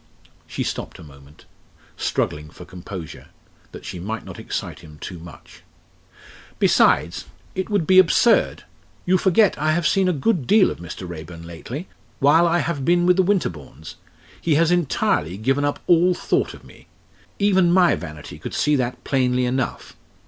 She stopped a moment struggling for composure that she might not excite him too much. "Besides, it would be absurd! You forget I have seen a good deal of Mr. Raeburn lately while I have been with the Winterbournes. He has entirely given up all thought of me. Even my vanity could see that plainly enough.